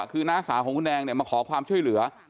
คือน้าสาวของคุณแดงเนี่ยมาขอความช่วยเหลือ